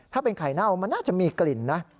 ถ้าเป็นไข่เน่ามันน่าจะมีกลิ่นนะ